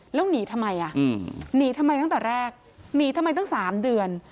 แล้วหนีทำไมอ่ะหนีทำไมตั้งแต่แรกหนีทำไมตั้ง๓เดือน